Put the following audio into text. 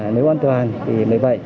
nếu an toàn thì mới vậy